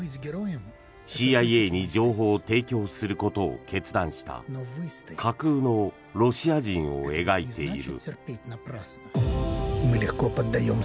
ＣＩＡに情報を提供することを決断した架空のロシア人を描いている。